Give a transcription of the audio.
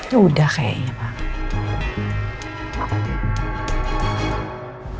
ya udah kayaknya pak